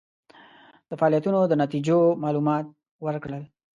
د فعالیتونو د نتیجو معلومات ورکړل.